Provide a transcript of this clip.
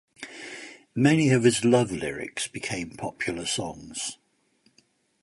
Many of his love lyrics became popular songs.